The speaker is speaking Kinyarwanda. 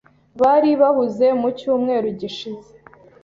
Bari bahuze mu cyumweru gishize?